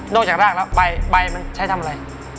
โดนออกจากรากแล้วใบสนให้ทำอะไร